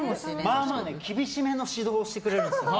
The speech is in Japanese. まあまあ厳しめの指導をしてくれるんです。